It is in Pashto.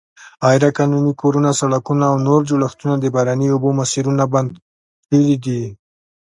غیرقانوني کورونه، سړکونه او نور جوړښتونه د باراني اوبو مسیرونه بند کړي دي.